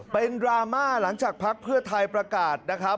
เป็นดราม่าหลังจากพักเพื่อไทยประกาศนะครับ